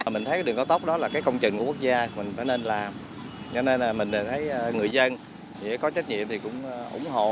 mình thấy đường cao tốc đó là cái công trình của quốc gia mình phải nên làm cho nên là mình thấy người dân có trách nhiệm thì cũng ủng hộ